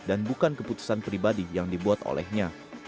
dan bukan keputusan pribadi yang dibuat olehnya